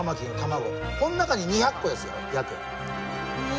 この中に２００個ですよ、約。